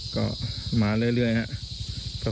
ไปมาเรื่อยฮะ